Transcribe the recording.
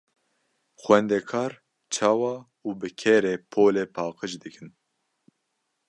Xwendekar çawa û bi kê re polê paqij dikin?